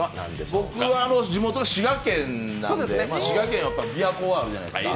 僕は、地元が滋賀県で滋賀県は琵琶湖があるじゃないですか